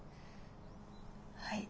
はい。